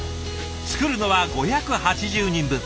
作るのは５８０人分。